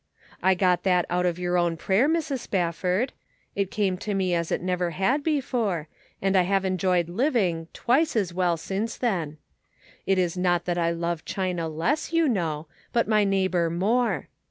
I got that out of your own prayer, Mrs. Spafford ; it came to me as it never had before, and I have enjoyed living twice as well since then. It is not that I love China less, you know, but my neighbor more.